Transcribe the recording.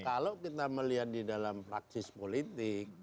kalau kita melihat di dalam praksis politik